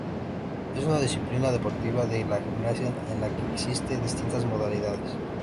Es una disciplina deportiva de la gimnasia en la que existen distintas modalidades.